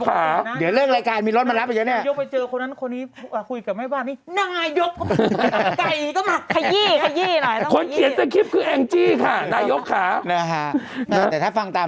ให้ยี่เก่งเลย